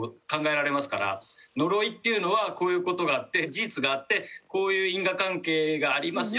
呪いっていうのはこういう事があって事実があってこういう因果関係があります